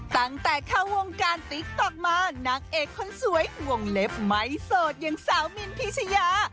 ตั้งแต่เข้าวงการติ๊กต๊อกมานางเอกคนสวยวงเล็บไม่โสดอย่างสาวมินพิชยา